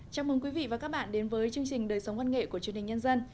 chào mừng quý vị và các bạn đến với chương trình đời sống văn nghệ của truyền hình nhân dân